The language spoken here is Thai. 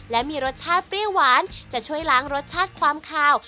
และมีรสชาติเปรี้ยวหวานจะช่วยล้างรสชาติความขาว